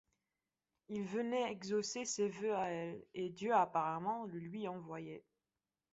Il venait exaucer ses vœux à elle, et Dieu apparemment le lui envoyait.